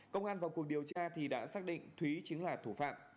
công an vào cuộc điều tra thì đã xác định thúy chính là thủ phạm